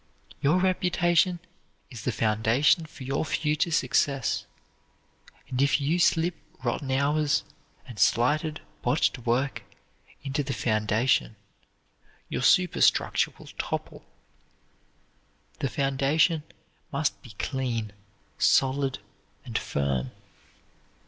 Your reputation is the foundation for your future success, and if you slip rotten hours, and slighted, botched work into the foundation, your superstructure will topple. The foundation must be clean, solid, and firm.